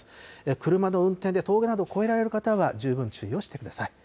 車の運転で峠などを越えられる方は十分注意をしてください。